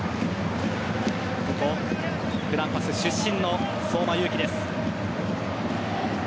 ここ、グランパス出身の相馬勇紀です。